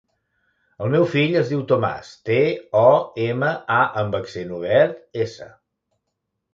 El meu fill es diu Tomàs: te, o, ema, a amb accent obert, essa.